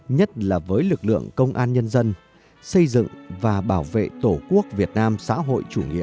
nhất là với lực lượng công an nhân dân xây dựng và bảo vệ tổ quốc việt nam xã hội chủ nghĩa